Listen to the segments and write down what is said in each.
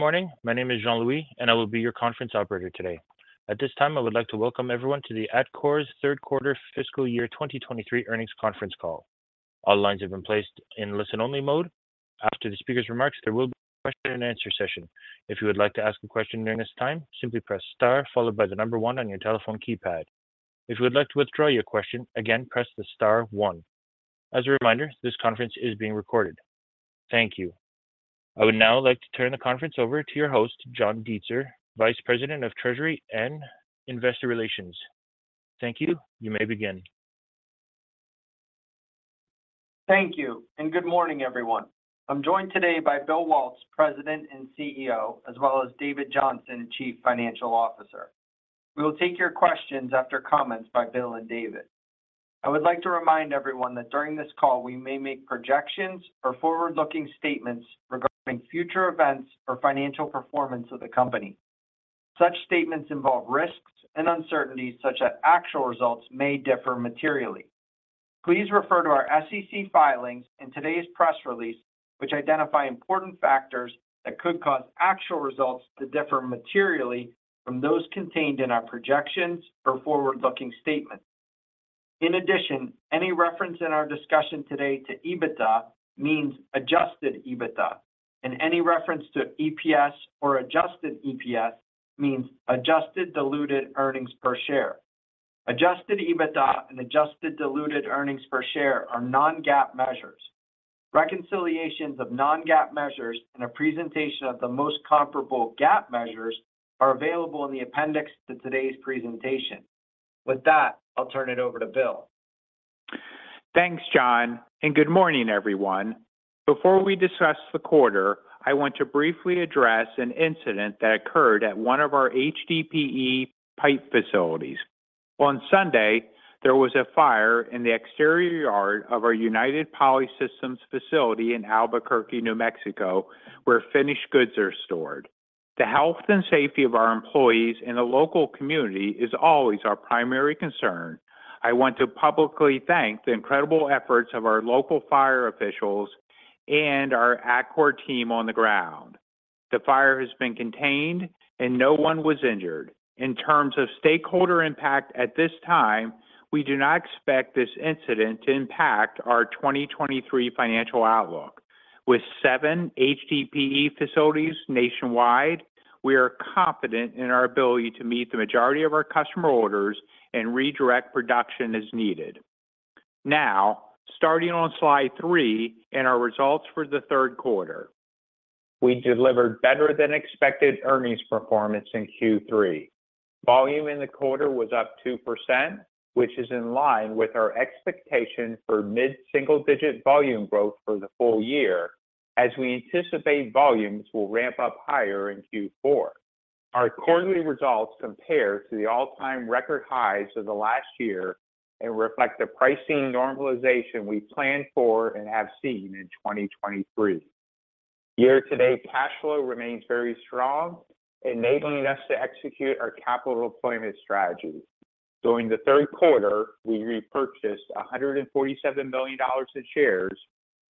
Good morning. My name is Jean-Louis, I will be your conference operator today. At this time, I would like to welcome everyone to Atkore's Q3 fiscal year 2023 earnings conference call. All lines have been placed in listen-only mode. After the speaker's remarks, there will be a question and answer session. If you would like to ask a question during this time, simply press star followed by the number one on your telephone keypad. If you would like to withdraw your question, again, press the star one. As a reminder, this conference is being recorded. Thank you. I would now like to turn the conference over to your host, John Deitzer, Vice President of Treasury and Investor Relations. Thank you. You may begin. Thank you, good morning, everyone. I'm joined today by Bill Waltz, President and CEO, as well as David Johnson, Chief Financial Officer. We will take your questions after comments by Bill and David. I would like to remind everyone that during this call, we may make projections or forward-looking statements regarding future events or financial performance of the company. Such statements involve risks and uncertainties such that actual results may differ materially. Please refer to our SEC filings in today's press release, which identify important factors that could cause actual results to differ materially from those contained in our projections or forward-looking statements. In addition, any reference in our discussion today to EBITDA means adjusted EBITDA. Any reference to EPS or adjusted EPS means adjusted diluted earnings per share. Adjusted EBITDA and adjusted diluted earnings per share are non-GAAP measures. Reconciliations of non-GAAP measures and a presentation of the most comparable GAAP measures are available in the appendix to today's presentation. With that, I'll turn it over to Bill. Thanks, John. Good morning, everyone. Before we discuss the quarter, I want to briefly address an incident that occurred at one of our HDPE pipe facilities. On Sunday, there was a fire in the exterior yard of our United Poly Systems facility in Albuquerque, New Mexico, where finished goods are stored. The health and safety of our employees and the local community is always our primary concern. I want to publicly thank the incredible efforts of our local fire officials and our Atkore team on the ground. The fire has been contained and no one was injured. In terms of stakeholder impact, at this time, we do not expect this incident to impact our 2023 financial outlook. With 7 HDPE facilities nationwide, we are confident in our ability to meet the majority of our customer orders and redirect production as needed. Starting on slide 3 in our results for the Q3. We delivered better-than-expected earnings performance in Q3. Volume in the quarter was up 2%, which is in line with our expectation for mid-single-digit volume growth for the full year, as we anticipate volumes will ramp up higher in Q4. Our quarterly results compare to the all-time record highs of the last year and reflect the pricing normalization we planned for and have seen in 2023. Year-to-date cash flow remains very strong, enabling us to execute our capital deployment strategy. During the Q3, we repurchased $147 million in shares,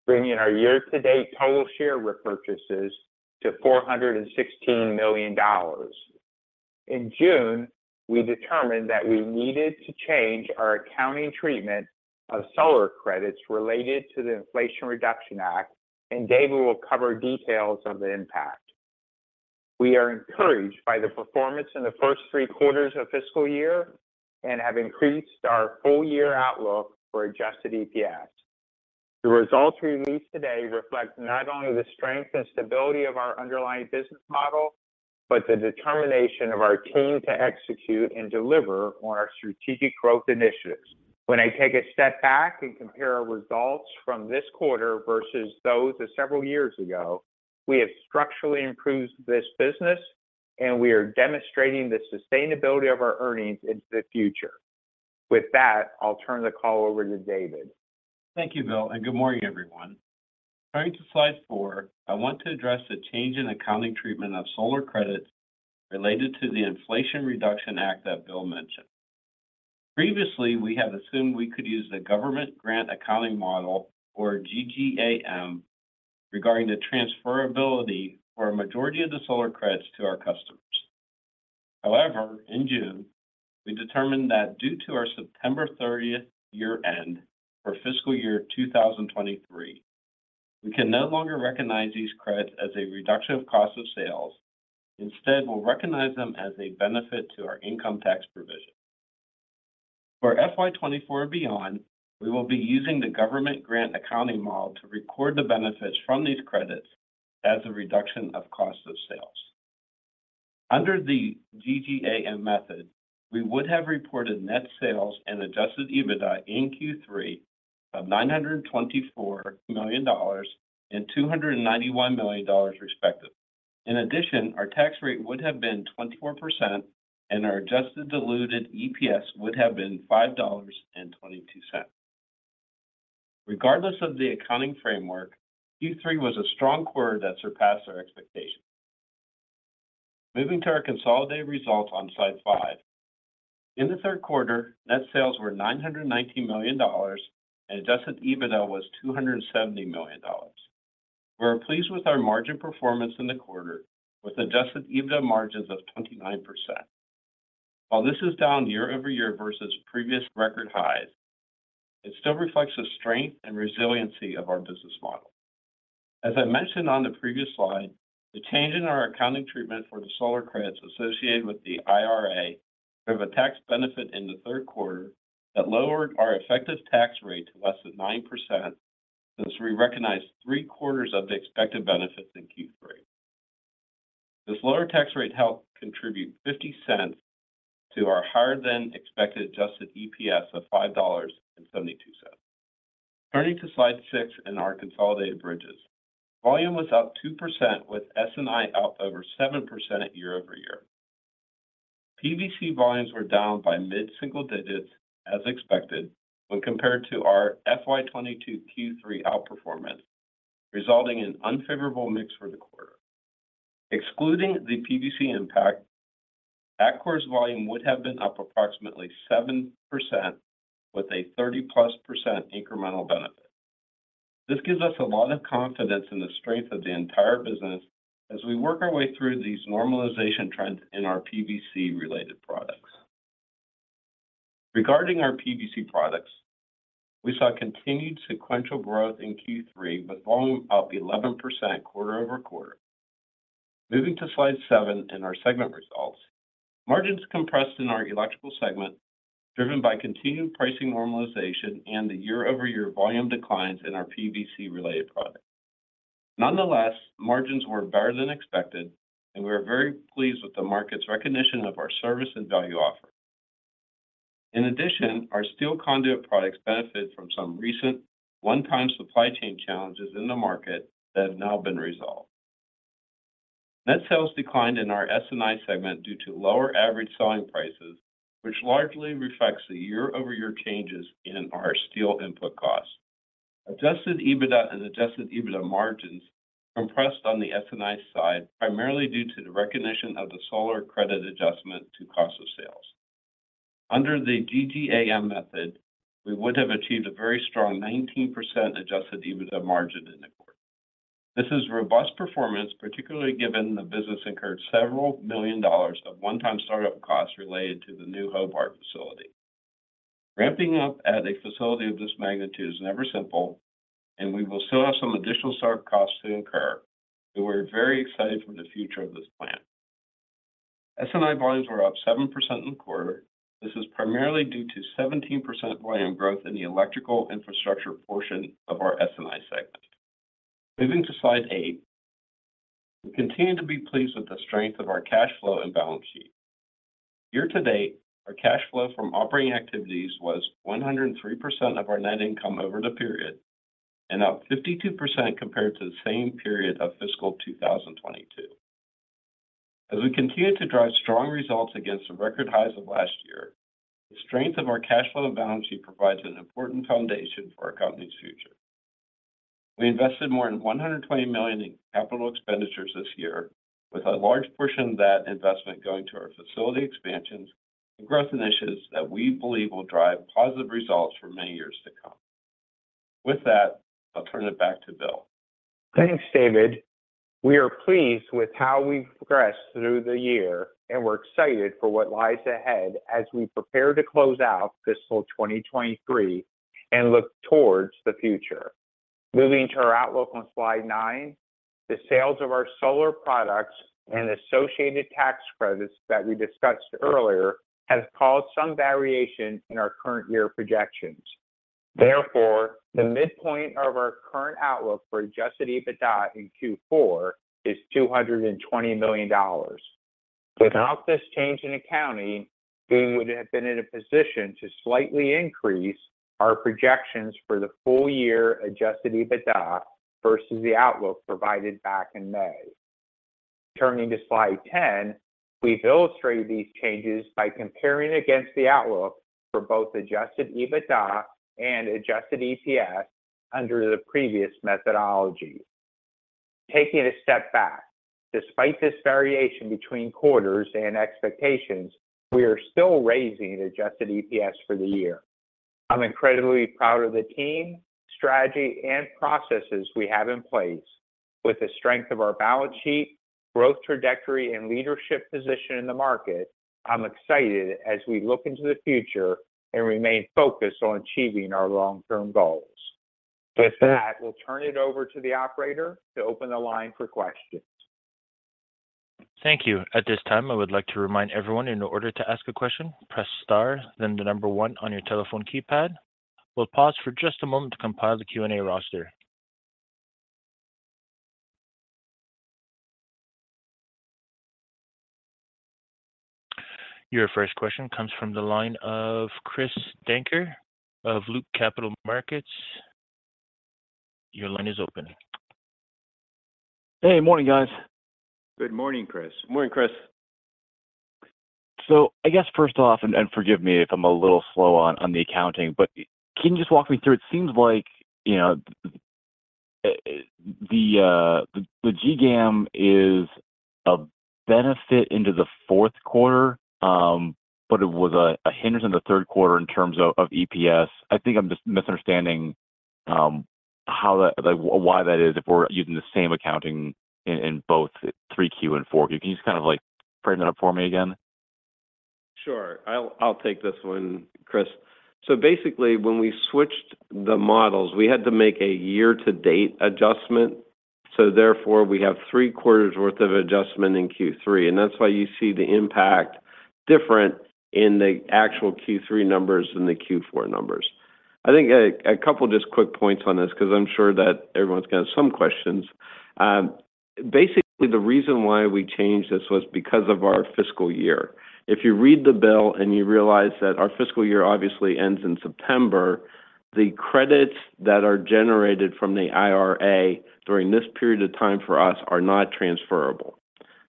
bringing our year-to-date total share repurchases to $416 million. In June, we determined that we needed to change our accounting treatment of solar credits related to the Inflation Reduction Act. David will cover details of the impact. We are encouraged by the performance in the first three quarters of fiscal year and have increased our full-year outlook for adjusted EPS. The results we released today reflect not only the strength and stability of our underlying business model, but the determination of our team to execute and deliver on our strategic growth initiatives. When I take a step back and compare our results from this quarter versus those of several years ago, we have structurally improved this business, and we are demonstrating the sustainability of our earnings into the future. With that, I'll turn the call over to David. Thank you, Bill, and good morning, everyone. Turning to slide 4, I want to address the change in accounting treatment of solar credits related to the Inflation Reduction Act that Bill mentioned. Previously, we have assumed we could use the government grant accounting model or GGAM, regarding the transferability for a majority of the solar credits to our customers. However, in June, we determined that due to our September 30th year-end for fiscal year 2023, we can no longer recognize these credits as a reduction of cost of sales. Instead, we'll recognize them as a benefit to our income tax provision. For FY 2024 and beyond, we will be using the government grant accounting model to record the benefits from these credits as a reduction of cost of sales. Under the GGAM method, we would have reported net sales and adjusted EBITDA in Q3 of $924 million and $291 million respectively. In addition, our tax rate would have been 24%, and our adjusted diluted EPS would have been $5.22. Regardless of the accounting framework, Q3 was a strong quarter that surpassed our expectations. Moving to our consolidated results on slide 5. In the Q3, net sales were $919 million, and adjusted EBITDA was $270 million. We are pleased with our margin performance in the quarter, with adjusted EBITDA margins of 29%. While this is down year-over-year versus previous record highs, it still reflects the strength and resiliency of our business model. As I mentioned on the previous slide, the change in our accounting treatment for the solar credits associated with the IRA have a tax benefit in the Q3 that lowered our effective tax rate to less than 9%, since we recognized three-quarters of the expected benefits in Q3. This lower tax rate helped contribute $0.50 to our higher-than-expected adjusted EPS of $5.72. Turning to slide 6 and our consolidated bridges. Volume was up 2%, with S&I out over 7% year-over-year. PVC volumes were down by mid-single digits as expected, when compared to our FY22 Q3 outperformance, resulting in unfavorable mix for the quarter. Excluding the PVC impact, Atkore's volume would have been up approximately 7% with a 30%+ incremental benefit. This gives us a lot of confidence in the strength of the entire business as we work our way through these normalization trends in our PVC-related products. Regarding our PVC products, we saw continued sequential growth in Q3, with volume up 11% quarter-over-quarter. Moving to slide 7 in our segment results. Margins compressed in our electrical segment, driven by continued pricing normalization and the year-over-year volume declines in our PVC-related products. Nonetheless, margins were better than expected, and we are very pleased with the market's recognition of our service and value offering. In addition, our steel conduit products benefit from some recent one-time supply chain challenges in the market that have now been resolved. Net sales declined in our S&I segment due to lower average selling prices, which largely reflects the year-over-year changes in our steel input costs. Adjusted EBITDA and adjusted EBITDA margins compressed on the S&I side, primarily due to the recognition of the solar credit adjustment to cost of sales. Under the GGAM method, we would have achieved a very strong 19% adjusted EBITDA margin in the quarter. This is robust performance, particularly given the business incurred several million dollars of one-time start-up costs related to the new Hobart facility. Ramping up at a facility of this magnitude is never simple, and we will still have some additional start-up costs to incur, but we're very excited for the future of this plant. S&I volumes were up 7% in the quarter. This is primarily due to 17% volume growth in the electrical infrastructure portion of our S&I segment. Moving to slide 8. We continue to be pleased with the strength of our cash flow and balance sheet. Year to date, our cash flow from operating activities was 103% of our net income over the period, up 52% compared to the same period of fiscal 2022. As we continue to drive strong results against the record highs of last year, the strength of our cash flow and balance sheet provides an important foundation for our company's future. We invested more than $120 million in CapEx this year, with a large portion of that investment going to our facility expansions and growth initiatives that we believe will drive positive results for many years to come. With that, I'll turn it back to Bill. Thanks, David. We are pleased with how we've progressed through the year, we're excited for what lies ahead as we prepare to close out fiscal 2023 and look towards the future. Moving to our outlook on slide 9, the sales of our solar products and associated tax credits that we discussed earlier, has caused some variation in our current year projections. Therefore, the midpoint of our current outlook for adjusted EBITDA in Q4 is $220 million. Without this change in accounting, we would have been in a position to slightly increase our projections for the full year adjusted EBITDA versus the outlook provided back in May. Turning to slide 10, we've illustrated these changes by comparing against the outlook for both adjusted EBITDA and adjusted EPS under the previous methodology. Taking a step back, despite this variation between quarters and expectations, we are still raising the adjusted EPS for the year. I'm incredibly proud of the team, strategy, and processes we have in place. With the strength of our balance sheet, growth trajectory, and leadership position in the market, I'm excited as we look into the future and remain focused on achieving our long-term goals. With that, we'll turn it over to the operator to open the line for questions. Thank you. At this time, I would like to remind everyone in order to ask a question, press Star, then the number one on your telephone keypad. We'll pause for just a moment to compile the Q&A roster. Your first question comes from the line of Chris Dankert of Loop Capital Markets. Your line is open. Hey, morning, guys. Good morning, Chris. Morning, Chris. I guess first off, and, and forgive me if I'm a little slow on, on the accounting, but can you just walk me through? It seems like, you know, the GGAM is a benefit into the Q4, but it was a hindrance in the Q3 in terms of EPS. I think I'm just misunderstanding how that, why that is, if we're using the same accounting in, in both three Q and four Q. Can you just kind of frame that up for me again? Sure. I'll, I'll take this one, Chris. Basically, when we switched the models, we had to make a year-to-date adjustment. Therefore, we have 3 quarters worth of adjustment in Q3, and that's why you see the impact different in the actual Q3 numbers and the Q4 numbers. I think a couple just quick points on this, 'cause I'm sure that everyone's got some questions. Basically, the reason why we changed this was because of our fiscal year. If you read the bill and you realize that our fiscal year obviously ends in September, the credits that are generated from the IRA during this period of time for us are not transferable.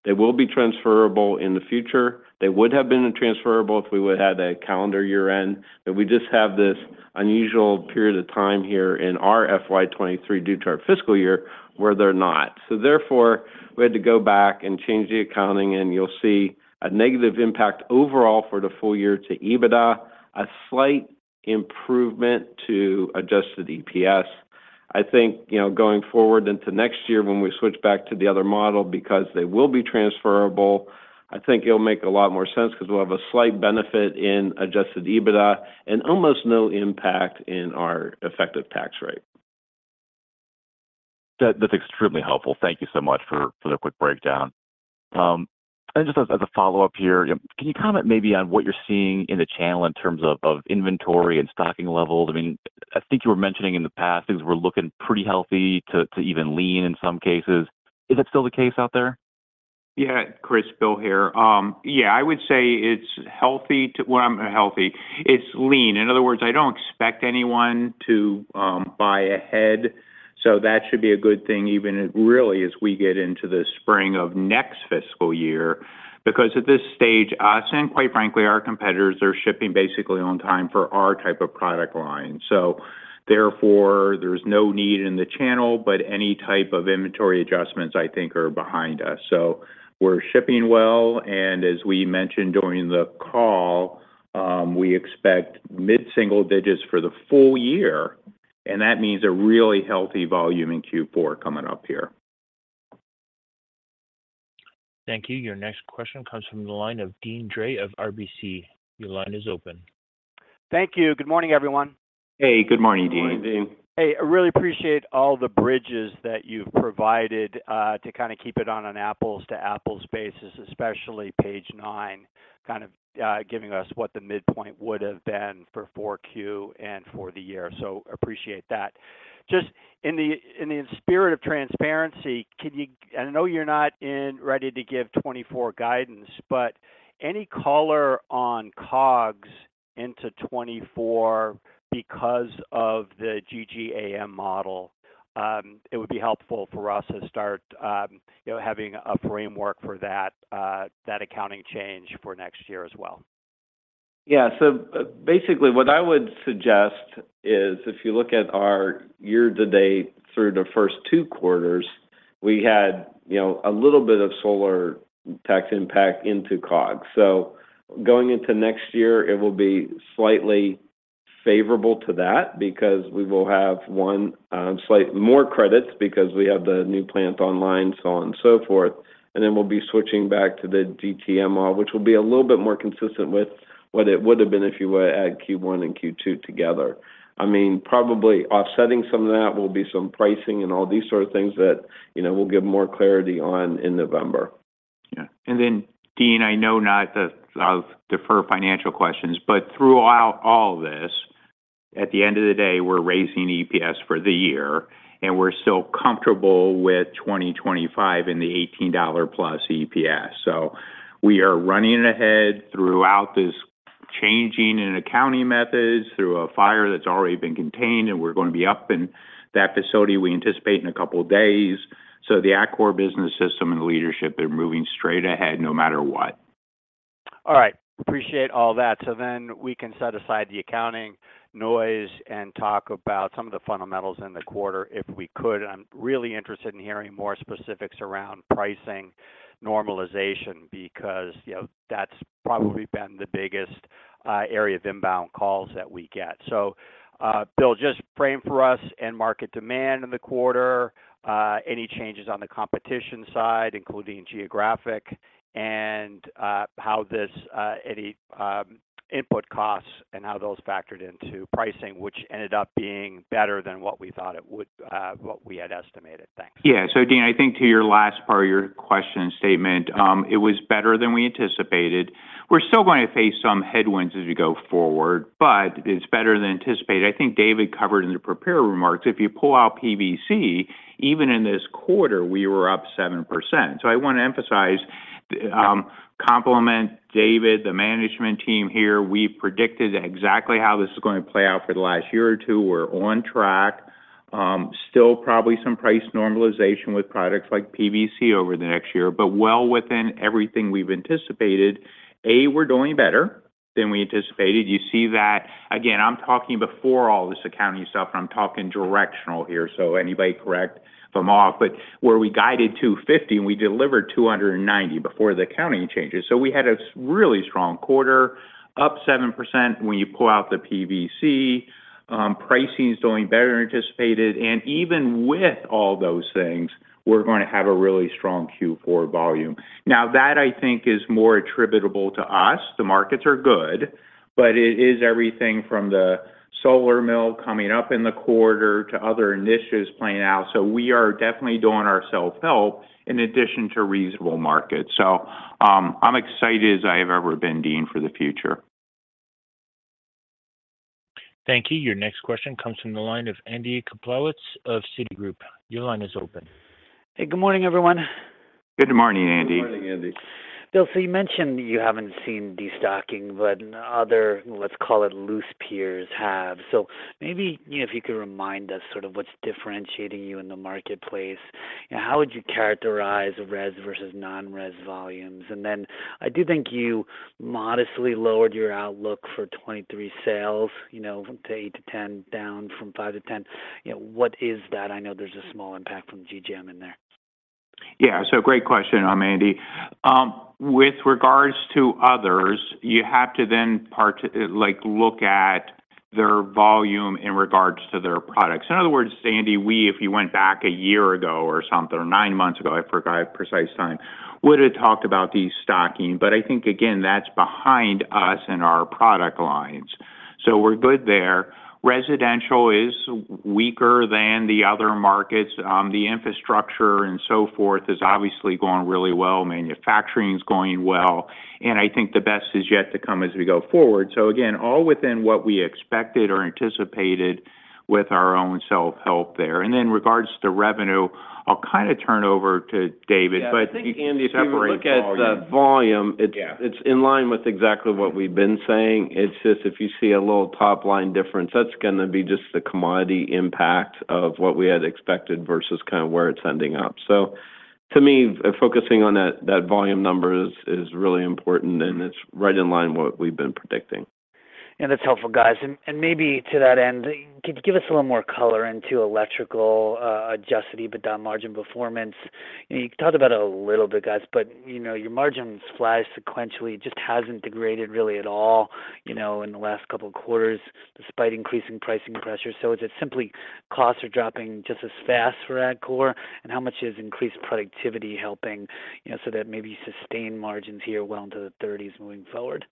They will be transferable in the future. They would have been transferable if we would've had a calendar year end, but we just have this unusual period of time here in our FY 23, due to our fiscal year, where they're not. Therefore, we had to go back and change the accounting, and you'll see a negative impact overall for the full year to EBITDA, a slight improvement to adjusted EPS. I think, you know, going forward into next year when we switch back to the other model, because they will be transferable, I think it'll make a lot more sense 'cause we'll have a slight benefit in adjusted EBITDA and almost no impact in our effective tax rate. That, that's extremely helpful. Thank you so much for, for the quick breakdown. Just as, as a follow-up here, can you comment maybe on what you're seeing in the channel in terms of, of inventory and stocking levels? I mean, I think you were mentioning in the past, things were looking pretty healthy to, to even lean in some cases. Is that still the case out there? Yeah. Chris, Bill here. Yeah, I would say it's healthy to... well, healthy, it's lean. In other words, I don't expect anyone to buy ahead, so that should be a good thing, even really, as we get into the spring of next fiscal year. Because at this stage, us and quite frankly, our competitors, are shipping basically on time for our type of product line. So therefore, there's no need in the channel, but any type of inventory adjustments I think are behind us. So we're shipping well, and as we mentioned during the call, we expect mid-single digits for the full year, and that means a really healthy volume in Q4 coming up here. Thank you. Your next question comes from the line of Deane Dray of RBC. Your line is open. Thank you. Good morning, everyone. Hey, good morning, Deane. Good morning, Deane. Hey, I really appreciate all the bridges that you've provided to kind of keep it on an apples-to-apples basis, especially page 9, kind of giving us what the midpoint would have been for 4Q and for the year. Appreciate that. Just in the, in the spirit of transparency, can you-- I know you're not in ready to give 2024 guidance, any color on COGS into 2024 because of the GGAM model, it would be helpful for us to start, you know, having a framework for that accounting change for next year as well. Yeah. Basically, what I would suggest is, if you look at our year-to-date through the first two quarters, we had, you know, a little bit of solar tax impact into COGS. Going into next year, it will be slightly favorable to that because we will have, one, slight more credits because we have the new plant online, so on and so forth. Then we'll be switching back to the GGAM model, which will be a little bit more consistent with what it would have been if you were to add Q1 and Q2 together. I mean, probably offsetting some of that will be some pricing and all these sort of things that, you know, we'll give more clarity on in November. Yeah. Then, Dean, I know not to defer financial questions, but throughout all this, at the end of the day, we're raising EPS for the year, and we're still comfortable with 2025 and the $18+ EPS. We are running ahead throughout this changing in accounting methods, through a fire that's already been contained, and we're going to be up in that facility, we anticipate in 2 days. The Atkore Business System and leadership are moving straight ahead, no matter what. All right. Appreciate all that. Then we can set aside the accounting noise and talk about some of the fundamentals in the quarter, if we could. I'm really interested in hearing more specifics around pricing normalization, because, you know, that's probably been the biggest area of inbound calls that we get. Bill, just frame for us end market demand in the quarter, any changes on the competition side, including geographic, and how this, any input costs and how those factored into pricing, which ended up being better than what we thought it would, what we had estimated. Thanks. Yeah. Deane Dray, I think to your last part of your question statement, it was better than we anticipated. We're still going to face some headwinds as we go forward, but it's better than anticipated. I think David covered in the prepared remarks, if you pull out PVC, even in this quarter, we were up 7%. I want to emphasize, compliment David, the management team here. We predicted exactly how this is going to play out for the last year or 2. We're on track. Still probably some price normalization with products like PVC over the next year, but well within everything we've anticipated. A, we're doing better. than we anticipated. You see that. Again, I'm talking before all this accounting stuff, and I'm talking directional here, so anybody correct if I'm off. Where we guided 250, we delivered 290 before the accounting changes. We had a really strong quarter, up 7% when you pull out the PVC. Pricing is doing better than anticipated, and even with all those things, we're going to have a really strong Q4 volume. That I think is more attributable to us. The markets are good, but it is everything from the solar mill coming up in the quarter to other initiatives playing out. We are definitely doing our self-help in addition to reasonable market. I'm excited as I have ever been, Deane Dray, for the future. Thank you. Your next question comes from the line of Andy Kaplowitz of Citigroup. Your line is open. Hey, good morning, everyone. Good morning, Andy. Good morning, Andy. Bill, you mentioned you haven't seen destocking, but other, let's call it, loose peers have. Maybe, you know, if you could remind us sort of what's differentiating you in the marketplace, and how would you characterize res versus non-res volumes? Then I do think you modestly lowered your outlook for 2023 sales, you know, from 8%-10%, down from 5%-10%. Yeah, what is that? I know there's a small impact from GGM in there. Yeah. Great question, Andy. With regards to others, you have to then look at their volume in regards to their products. In other words, Andy, if you went back 1 year ago or something, or 9 months ago, I forgot the precise time, would've talked about destocking. I think, again, that's behind us and our product lines. We're good there. Residential is weaker than the other markets. The infrastructure and so forth is obviously going really well. Manufacturing is going well, and I think the best is yet to come as we go forward. Again, all within what we expected or anticipated with our own self-help there. Then in regards to revenue, I'll kind of turn over to David. Yeah. I think... Andy, if you look at the volume- Yeah. It's, it's in line with exactly what we've been saying. It's just if you see a little top-line difference, that's gonna be just the commodity impact of what we had expected versus kind of where it's ending up. To me, focusing on that, that volume number is, is really important, and it's right in line with what we've been predicting. Yeah, that's helpful, guys. Maybe to that end, could you give us a little more color into electrical, adjusted EBITDA margin performance? You talked about it a little bit, guys, but, you know, your margins fly sequentially, just hasn't degraded really at all, you know, in the last 2 quarters, despite increasing pricing pressures. Is it simply costs are dropping just as fast for Atkore? How much is increased productivity helping, you know, so that maybe sustain margins here well into the 30s moving forward?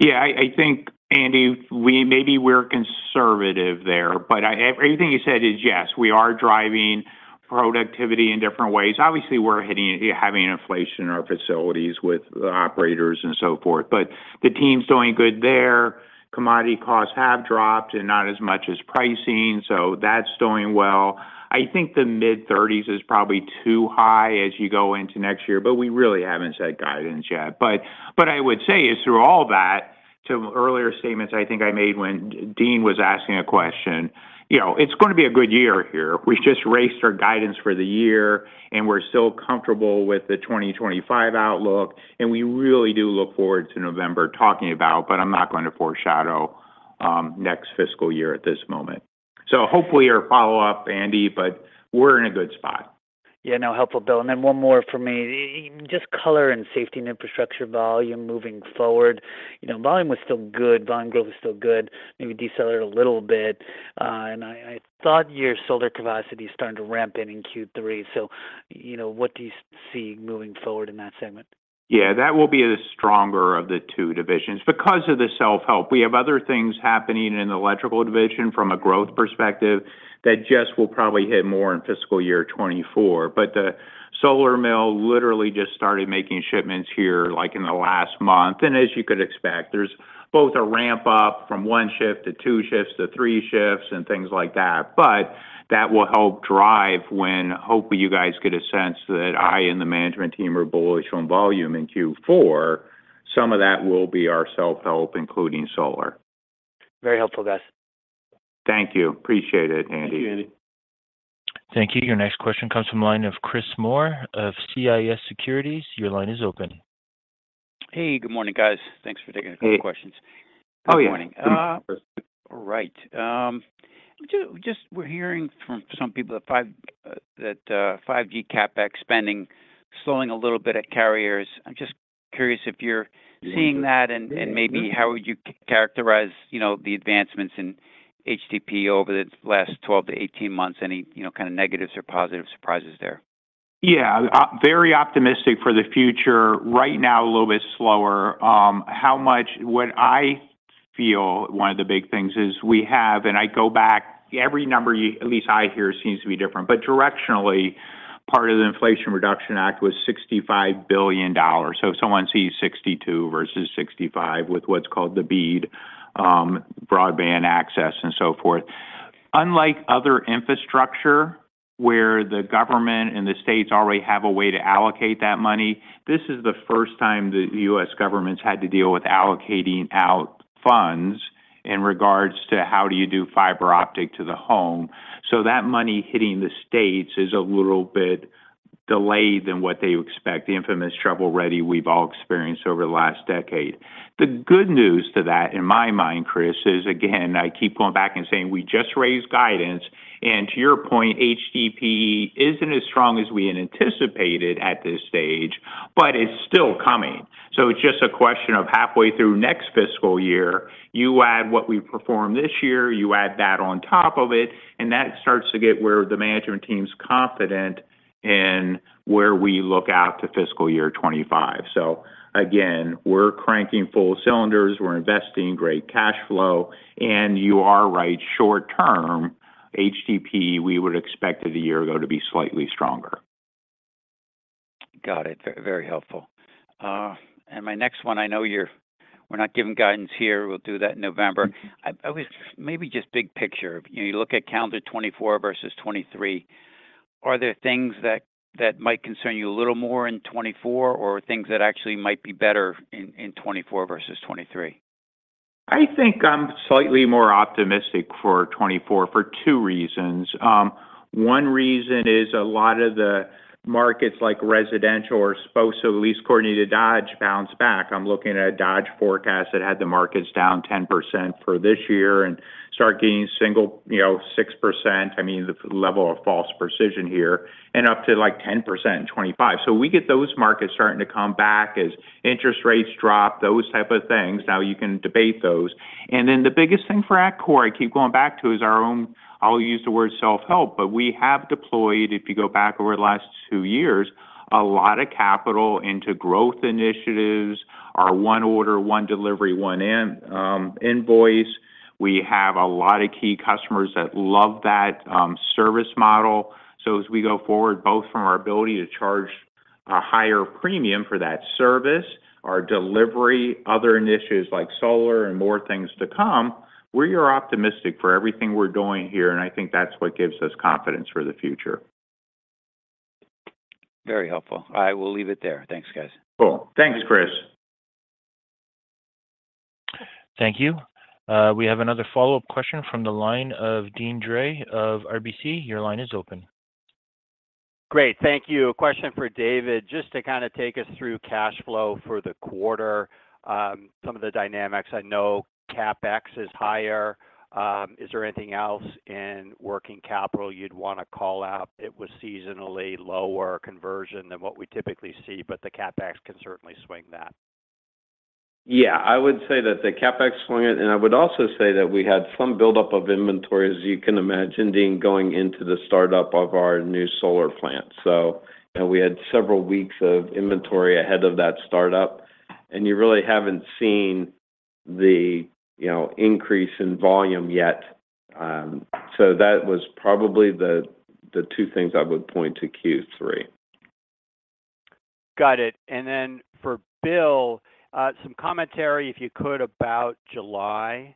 I think, Andy Kaplowitz, we maybe we're conservative there, but I. Everything you said is yes. We are driving productivity in different ways. Obviously, we're having inflation in our facilities with the operators and so forth, but the team's doing good there. Commodity costs have dropped and not as much as pricing, so that's doing well. I think the mid-30s is probably too high as you go into next year, but we really haven't said guidance yet. I would say is through all that, to earlier statements I think I made when Deane Dray was asking a question, you know, it's gonna be a good year here. We just raised our guidance for the year, and we're still comfortable with the 2025 outlook, and we really do look forward to November talking about, but I'm not going to foreshadow next fiscal year at this moment. Hopefully, your follow-up, Andy, but we're in a good spot. Yeah, no, helpful, Bill. Then one more for me. Just color and Safety and Infrastructure volume moving forward. You know, volume was still good, volume growth was still good, maybe decelerated a little bit. I, I thought your solar capacity is starting to ramp in Q3. You know, what do you see moving forward in that segment? Yeah, that will be the stronger of the two divisions because of the self-help. We have other things happening in the electrical division from a growth perspective that just will probably hit more in fiscal year 2024. The solar mill literally just started making shipments here, like in the last month. As you could expect, there's both a ramp up from one shift to two shifts to three shifts and things like that. That will help drive when hopefully you guys get a sense that I and the management team are bullish on volume in Q4. Some of that will be our self-help, including solar. Very helpful, guys. Thank you. Appreciate it, Andy. Thank you, Andy. Thank you. Your next question comes from the line of Chris Moore of CJS Securities. Your line is open. Hey, good morning, guys. Thanks for taking a couple questions. Hey. Good morning. Oh, yeah. All right. Just, just we're hearing from some people that 5G CapEx spending slowing a little bit at carriers. I'm just curious if you're seeing that? Yeah. Maybe how would you characterize, you know, the advancements in HDPE over the last 12 to 18 months, any, you know, kind of negatives or positive surprises there? Yeah. Very optimistic for the future. Right now, a little bit slower. What I feel, one of the big things is we have, and I go back, every number you, at least I hear, seems to be different, but directionally, part of the Inflation Reduction Act was $65 billion. If someone sees 62 versus 65 with what's called the BEAD, broadband access and so forth. Unlike other infrastructure, where the government and the states already have a way to allocate that money, this is the first time the U.S. government's had to deal with allocating out funds in regards to how do you do fiber optic to the home. That money hitting the states is a little bit delayed than what they expect, the infamous trouble ready we've all experienced over the last decade. The good news to that, in my mind, Chris, is, again, I keep going back and saying we just raised guidance, and to your point, HDPE isn't as strong as we had anticipated at this stage, but it's still coming. It's just a question of halfway through next fiscal year, you add what we perform this year, you add that on top of it, and that starts to get where the management team's confident and where we look out to fiscal year 2025. Again, we're cranking full cylinders, we're investing great cash flow, and you are right, short term, HDPE, we would expect a year ago to be slightly stronger. Got it. Very, very helpful. My next one, I know you're we're not giving guidance here. We'll do that in November. I was maybe just big picture. You look at calendar 2024 versus 2023, are there things that, that might concern you a little more in 2024 or things that actually might be better in, in 2024 versus 2023? I think I'm slightly more optimistic for 2024 for 2 reasons. One reason is a lot of the markets like residential or supposed to at least according to Dodge, bounce back. I'm looking at a Dodge forecast that had the markets down 10% for this year and start gaining single, 6%. The level of false precision here and up to, 10% in 2025. We get those markets starting to come back as interest rates drop, those type of things. You can debate those. Then the biggest thing for Atkore, I keep going back to, is our own. I'll use the word self-help, but we have deployed, if you go back over the last 2 years, a lot of capital into growth initiatives, our one order, one delivery, one invoice. We have a lot of key customers that love that, service model. As we go forward, both from our ability to charge a higher premium for that service, our delivery, other initiatives like solar and more things to come, we are optimistic for everything we're doing here, and I think that's what gives us confidence for the future. Very helpful. I will leave it there. Thanks, guys. Cool. Thanks, Chris. Thank you. We have another follow-up question from the line of Deane Dray of RBC. Your line is open. Great. Thank you. A question for David. Just to kind of take us through cash flow for the quarter, some of the dynamics, I know CapEx is higher. Is there anything else in working capital you'd wanna call out? It was seasonally lower conversion than what we typically see, but the CapEx can certainly swing that. Yeah, I would say that the CapEx swing it, and I would also say that we had some buildup of inventory, as you can imagine, Deane, going into the startup of our new solar plant. You know, we had several weeks of inventory ahead of that startup, and you really haven't seen the, you know, increase in volume yet. That was probably the 2 things I would point to Q3. Got it. Then for Bill, some commentary, if you could, about July,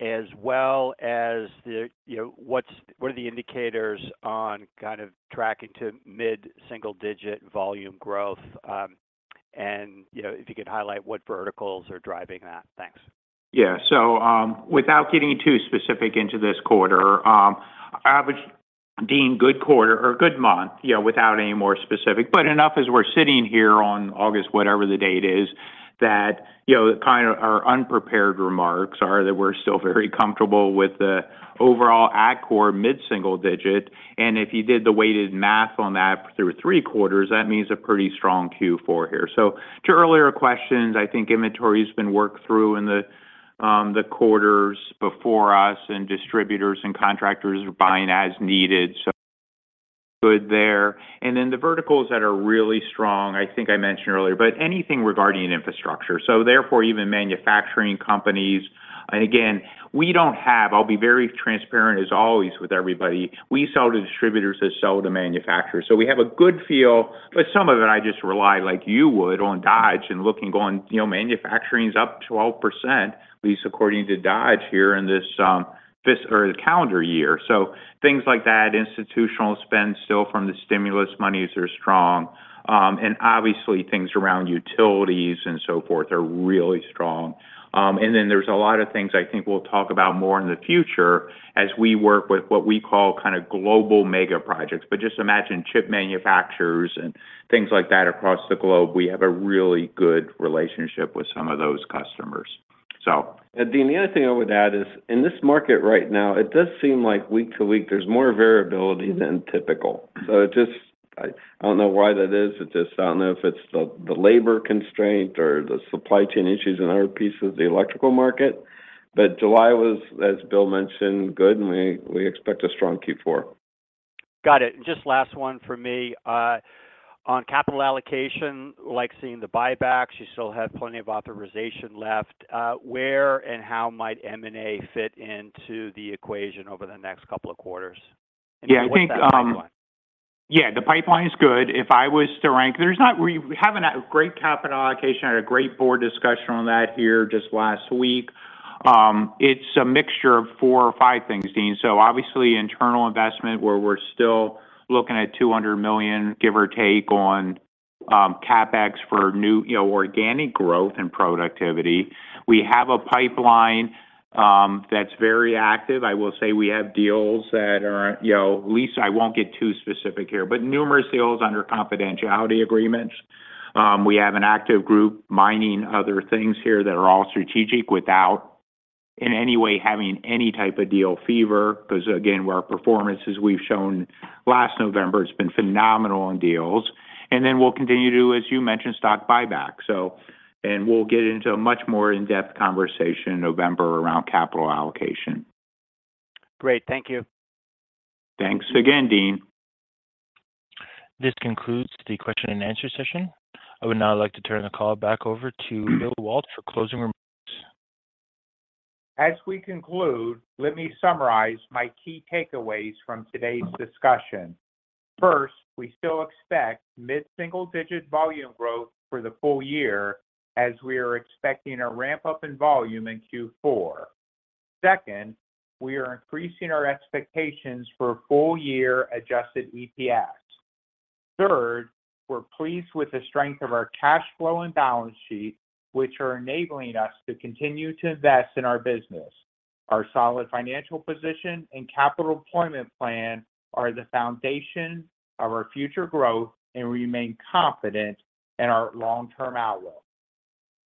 as well as the, you know, what are the indicators on kind of tracking to mid-single digit volume growth? You know, if you could highlight what verticals are driving that? Thanks. Yeah. Without getting too specific into this quarter, I would, Deane, good quarter or good month, you know, without any more specific, but enough as we're sitting here on August, whatever the date is, that, you know, kind of our unprepared remarks are that we're still very comfortable with the overall Atkore mid-single digit. If you did the weighted math on that through three quarters, that means a pretty strong Q4 here. To earlier questions, I think inventory has been worked through in the quarters before us, and distributors and contractors are buying as needed, so good there. The verticals that are really strong, I think I mentioned earlier, but anything regarding infrastructure, so therefore, even manufacturing companies. Again, we don't have... I'll be very transparent as always with everybody, we sell to distributors that sell to manufacturers. We have a good feel, but some of it I just rely, like you would, on Dodge and looking, going, "You know, manufacturing is up 12%, at least according to Dodge here in this or the calendar year." Things like that, institutional spend still from the stimulus monies are strong, and obviously, things around utilities and so forth are really strong. Then there's a lot of things I think we'll talk about more in the future as we work with what we call kind of global mega projects. Just imagine chip manufacturers and things like that across the globe. We have a really good relationship with some of those customers. So- Deane Dray, the other thing I would add is, in this market right now, it does seem like week to week, there's more variability than typical. So just. I don't know why that is. It's just, I don't know if it's the, the labor constraint or the supply chain issues and other pieces of the electrical market, but July was, as Bill mentioned, good, and we, we expect a strong Q4. Got it. Just last one for me. On capital allocation, like seeing the buybacks, you still have plenty of authorization left. Where and how might M&A fit into the equation over the next couple of quarters? Yeah, I think. What's that pipeline? The pipeline is good. If I was to rank, we're having a great capital allocation. I had a great board discussion on that here just last week. It's a mixture of four or five things, Deane Dray. Obviously, internal investment, where we're still looking at $200 million, give or take, CapEx for new, you know, organic growth and productivity. We have a pipeline that's very active. I will say we have deals that are, you know, at least I won't get too specific here, but numerous deals under confidentiality agreements. We have an active group mining other things here that are all strategic, without in any way having any type of deal fever. Again, our performance, as we've shown last November, has been phenomenal on deals. We'll continue to, as you mentioned, stock buyback. We'll get into a much more in-depth conversation in November around capital allocation. Great. Thank you. Thanks again, Deane. This concludes the question and answer session. I would now like to turn the call back over to Bill Waltz for closing remarks. As we conclude, let me summarize my key takeaways from today's discussion. First, we still expect mid-single-digit volume growth for the full year, as we are expecting a ramp-up in volume in Q4. Second, we are increasing our expectations for full-year adjusted EPS. Third, we're pleased with the strength of our cash flow and balance sheet, which are enabling us to continue to invest in our business. Our solid financial position and capital deployment plan are the foundation of our future growth, and we remain confident in our long-term outlook.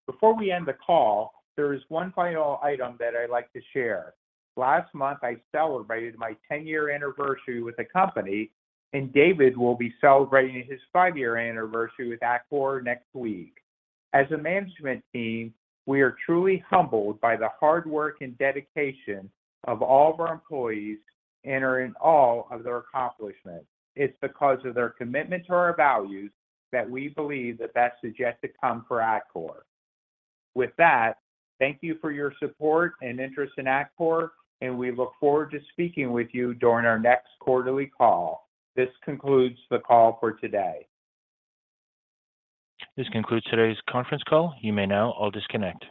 Before we end the call, there is one final item that I'd like to share. Last month, I celebrated my 10-year anniversary with the company, and David will be celebrating his five-year anniversary with Atkore next week. As a management team, we are truly humbled by the hard work and dedication of all of our employees and are in awe of their accomplishments. It's because of their commitment to our values that we believe the best is yet to come for Atkore. With that, thank you for your support and interest in Atkore, and we look forward to speaking with you during our next quarterly call. This concludes the call for today. This concludes today's conference call. You may now all disconnect.